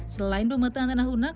selain pemetaan tanah lunak